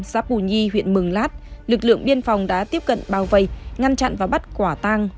giáp bù nhi huyện mừng lát lực lượng biên phòng đã tiếp cận bảo vệ ngăn chặn và bắt quả tang